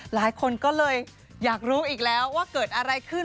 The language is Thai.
หลายคนก็เลยอยากรู้อีกแล้วว่าเกิดอะไรขึ้น